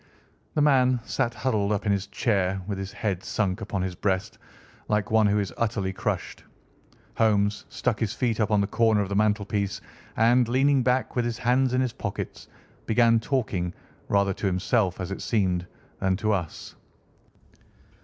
The man sat huddled up in his chair, with his head sunk upon his breast, like one who is utterly crushed. Holmes stuck his feet up on the corner of the mantelpiece and, leaning back with his hands in his pockets, began talking, rather to himself, as it seemed, than to us.